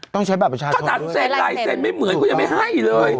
ต้องใช้แบบประชาชนด้วยใช้ลายเซนถูกต้องต้องใช้ลายเซนไม่เหมือนก็ยังไม่ให้เลย